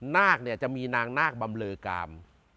นาคจะมีนางนาคบำเลอกาม